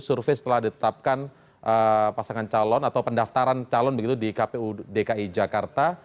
survei setelah ditetapkan pasangan calon atau pendaftaran calon begitu di kpu dki jakarta